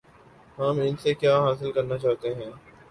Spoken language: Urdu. ہم ان سے کیا حاصل کرنا چاہتے ہیں؟